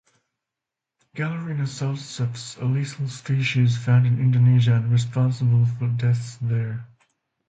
"Galerina sulciceps", a lethal species found in Indonesia and responsible for deaths there.